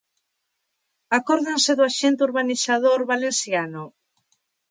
¿Acórdanse do axente urbanizador valenciano?